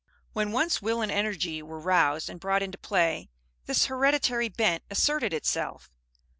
When once will and energy were roused and brought into play, this hereditary bent asserted itself.